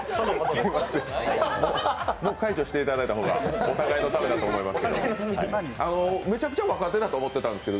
もう解除していただいた方がお互いのためだと思うんですけど。